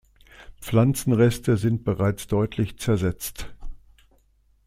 Pflanzenreste sind bereits deutlich zersetzt.